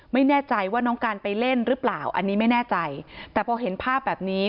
ไม่แน่ใจว่าน้องการไปเล่นหรือเปล่าอันนี้ไม่แน่ใจแต่พอเห็นภาพแบบนี้